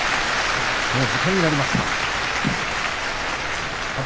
時間になりました。